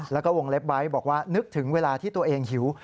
แล้วก็วงเล็บไว้บอกว่านึกถึงเวลาที่ตัวเองหิว